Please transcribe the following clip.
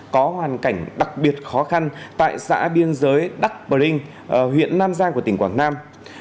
có hoàn cảnh đặc biệt khó khăn tại xã biên giới đắc bờ linh huyện nam giang của tỉnh quảng nam